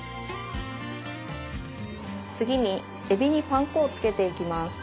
次にえびにパン粉をつけていきます。